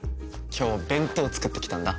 今日弁当作ってきたんだ。